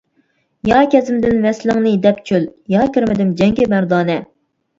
يا كەزمىدىم ۋەسلىڭنى دەپ چۆل، يا كىرمىدىم جەڭگە مەردانە.